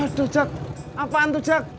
aduh jak apaan tuh jak